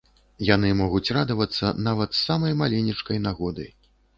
Яны могуць радавацца нават з самай маленечкай нагоды.